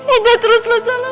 udah terus selesai